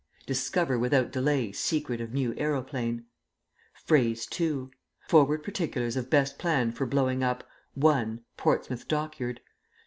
"Discover without delay secret of new aeroplane." (Phrase 2). "Forward particulars of best plan for blowing up (1) Portsmouth Dockyard.